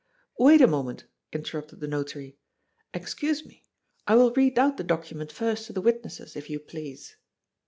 " Wait a moment," interrupted the Notary. " Excuse me. I will read out the document first to the witnesses, if you please."